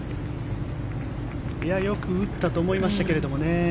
よく打ったと思いましたけどね。